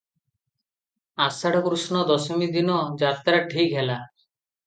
ଆଷାଢ କୃଷ୍ଣ ଦଶମୀ ଦିନ ଯାତ୍ରା ଠିକ ହେଲା ।